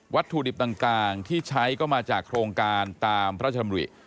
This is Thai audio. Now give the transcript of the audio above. ถุดิบต่างที่ใช้ก็มาจากโครงการตามพระชำริ